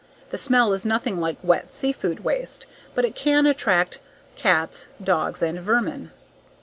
The smell is nothing like wet seafood waste, but it can attract cats, dogs, and vermin.